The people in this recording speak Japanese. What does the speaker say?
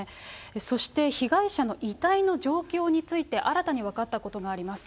そして、被害者の遺体の状況については新たに分かったことがあります。